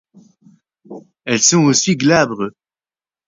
Elles sont aussi glabres.